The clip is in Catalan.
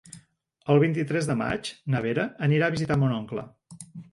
El vint-i-tres de maig na Vera anirà a visitar mon oncle.